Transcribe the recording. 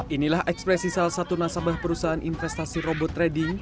inilah ekspresi salah satu nasabah perusahaan investasi robot trading